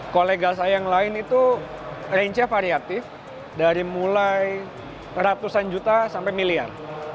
kolega saya yang lain itu range nya variatif dari mulai ratusan juta sampai miliar